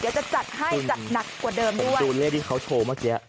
เดี๋ยวจะจัดให้จัดหนักกว่าเดิมด้วย